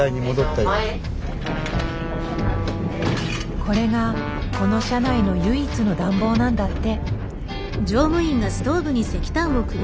これがこの車内の唯一の暖房なんだって。